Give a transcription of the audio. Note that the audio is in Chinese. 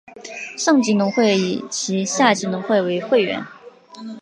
上级农会以其下级农会为会员。